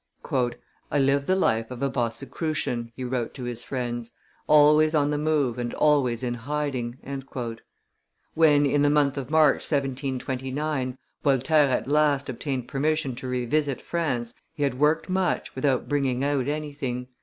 "I live the life of a Bosicrucian," he wrote to his friends, "always on the move and always in hiding." When, in the month of March, 1729, Voltaire at last obtained permission to revisit France, he had worked much without bringing out anything.